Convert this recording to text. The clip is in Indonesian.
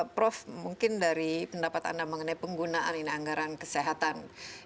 prof mungkin dari pendapat anda mengenai penggunaan ini anggaran kesehatan